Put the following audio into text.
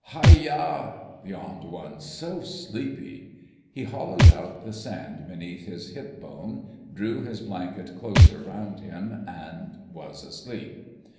"Hai yah!" yawned one. "So sleepy." He hollowed out the sand beneath his hip bone, drew his blanket closer round him, and was asleep.